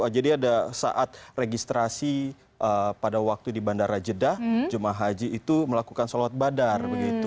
jadi ada saat registrasi pada waktu di bandara jeddah jum'ah haji itu melakukan sholat badar